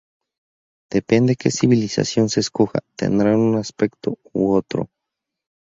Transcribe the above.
Depende que civilización se escoja, tendrán un aspecto u otro.